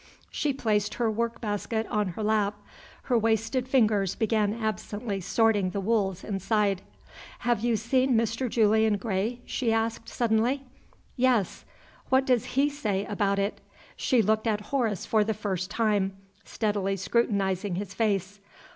She placed her work basket on her lap. Her wasted fingers began absently sorting the wools inside. "Have you seen Mr. Julian Gray?" she asked, suddenly. "Yes." "What does he say about it?" She looked at Horace for the first time, steadily scrutinizing his face.